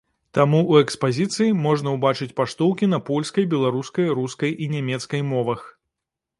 Таму ў экспазіцыі можна ўбачыць паштоўкі на польскай, беларускай, рускай і нямецкай мовах.